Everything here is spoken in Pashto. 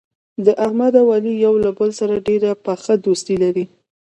د احمد او علي یو له بل سره ډېره پخه دوستي لري.